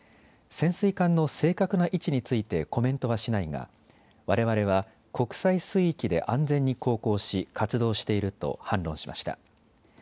潜水艦の正確な位置についてコメントはしないがわれわれは国際水域で安全に航行し、活動していると反論しました。